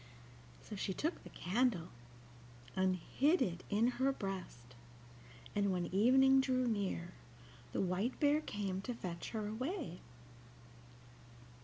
So she took the candle, and hid it in her breast, and when evening drew near the White Bear came to fetch her away.